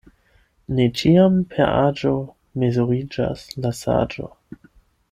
Ne ĉiam per aĝo mezuriĝas la saĝo.